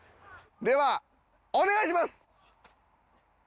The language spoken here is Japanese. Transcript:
ではお願いします！